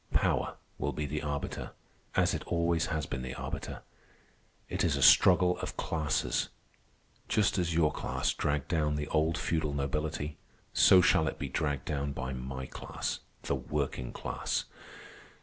Power will be the arbiter, as it always has been the arbiter. It is a struggle of classes. Just as your class dragged down the old feudal nobility, so shall it be dragged down by my class, the working class.